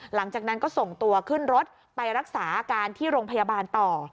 หลังจากนั้นก็ส่งตัวขึ้นรถไปรักษาอาการที่โรงพยาบาลต่อ